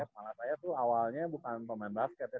malah saya tuh awalnya bukan pemain basket ya